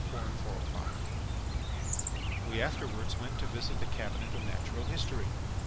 THE DRAGON OF ALCA "We afterwards went to visit the cabinet of natural history.